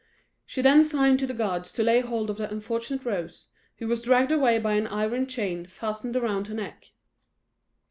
She then signed to the guards to lay hold of the unfortunate Rose, who was dragged away by an iron chain fastened round her neck.